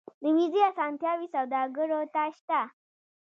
د ویزې اسانتیاوې سوداګرو ته شته